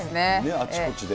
あちこちで。